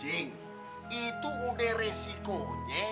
ji itu udah resikonya